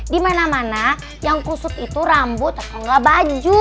di mana mana yang kusut itu rambut atau enggak baju